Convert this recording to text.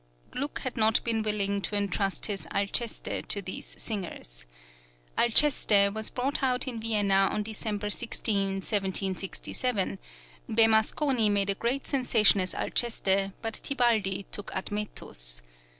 Gluck had not been willing to entrust his "Alceste" to these singers. "Alceste" was brought out in Vienna on December 16, 1767; Bemasconi made a great sensation as Alceste, but Tibaldi took Admetus.